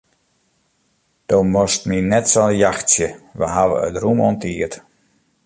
Do moatst my net sa jachtsje, we hawwe it rûm oan tiid.